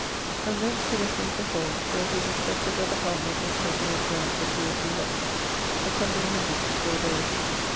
From thence to Westminster Hall, where it was expected that the Parliament was to have been adjourned for two or three months, but something hinders it for a day or two.